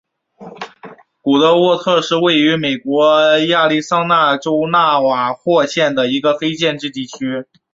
古德沃特是位于美国亚利桑那州纳瓦霍县的一个非建制地区。